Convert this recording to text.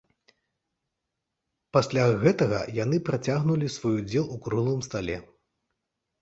Пасля гэтага яны працягнулі свой удзел у круглым стале.